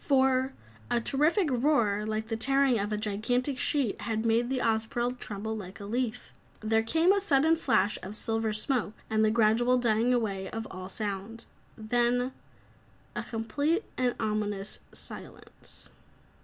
For a terrific roar like the tearing of a gigantic sheet had made the Ozpril tremble like a leaf. There came a sudden flash of silver smoke, and the gradual dying away of all sound. Then a complete and ominous silence.